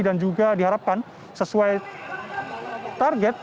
dan juga diharapkan sesuai target